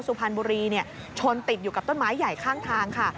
สุพรรณบุรีชนติดอยู่กับต้นไม้ใหญ่ข้างทางค่ะ